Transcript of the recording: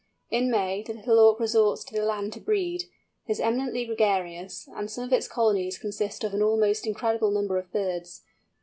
In May, the Little Auk resorts to the land to breed. It is eminently gregarious, and some of its colonies consist of an almost incredible number of birds.